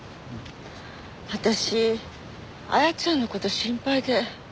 私亜矢ちゃんの事心配で。